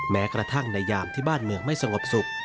แม้กระทั่งในยามที่บ้านเมืองไม่สงบสุข